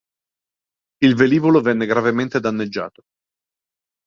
Il velivolo venne gravemente danneggiato.